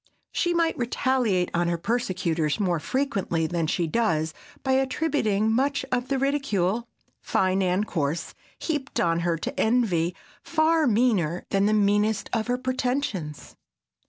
She might retaliate on her persecutors more frequently than she does by attributing much of the ridicule, fine and coarse, heaped on her, to envy, far meaner than the meanest of her pretensions.